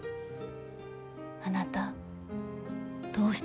あなたどうして踊るの？